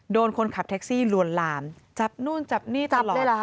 โดนคนขับแท็คซีรวนลามจับนู่นจับนี่ตลอด